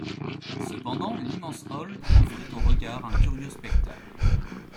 Cependant l’immense « hall » offrait aux regards un curieux spectacle.